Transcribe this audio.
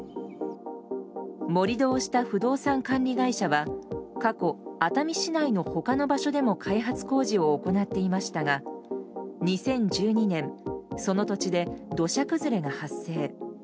盛り土をした不動産管理会社は過去、熱海市内の他の場所でも開発工事を行っていましたが２０１２年、その土地で土砂崩れが発生。